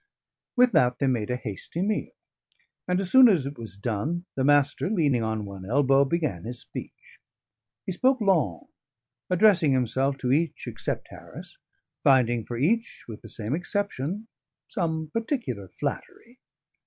With that they made a hasty meal: and as soon as it was done, the Master, leaning on one elbow, began his speech. He spoke long, addressing himself to each except Harris, finding for each (with the same exception) some particular flattery.